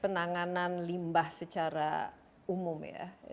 penanganan limbah secara umum ya